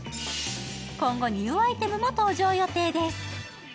今後ニューアイテムも登場予定です。